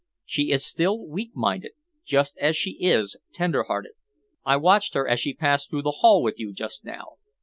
She is still weak minded, just as she is tender hearted. I watched her as she passed through the hall with you just now.